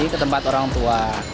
ketempat orang tua